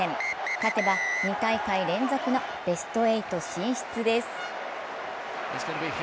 勝てば２大会連続のベスト８進出です。